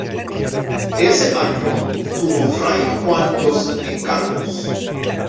Ese año tuvo fray Juan dos encargos.